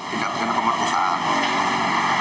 tidak terkena pemerintah